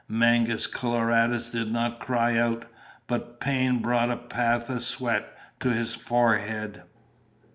Mangus Coloradus did not cry out, but pain brought a bath of sweat to his forehead.